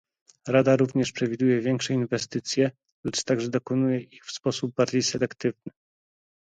Rada również przewiduje większe inwestycje, lecz także dokonuje ich w sposób bardziej selektywny